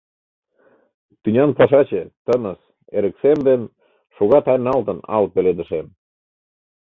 Тӱнян пашаче, тыныс, эрык сем ден Шога тайналтын ал пеледышем…